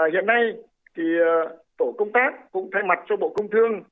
hiện nay tổ công tác cũng thay mặt cho bộ công thương